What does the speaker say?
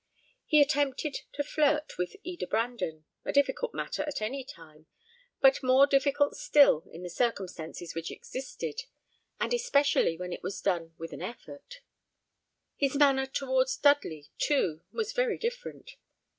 He attempted to flirt with Eda Brandon a difficult matter at any time, but more difficult still in the circumstances which existed, and especially when it was done with an effort. His manner towards Dudley, too, was very different.